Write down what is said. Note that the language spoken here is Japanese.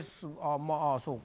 まあそうか。